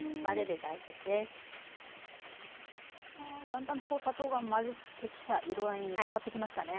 だんだんと砂糖が混じってきた色合いに変わってきましたね。